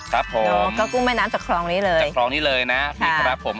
ครับผมก็กุ้งแม่น้ำจากคลองนี้เลยจากคลองนี้เลยนะนี่ครับผม